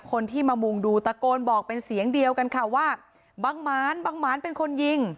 คนที่มามุงดูตะโกนบอกเป็นเสียงเดียวกันค่ะว่าบังหมานบังหมานเป็นคนยิง